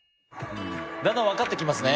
だんだん分かってきますね。